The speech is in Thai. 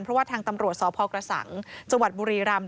เพราะว่าทางตำรวจสพกระสังจังหวัดบุรีรำ